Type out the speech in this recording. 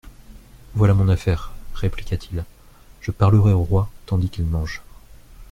Voilà mon affaire, répliqua-t-il, je parlerai au roi tandis qu'il mange.